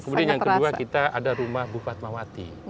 kemudian yang kedua kita ada rumah bufat mawati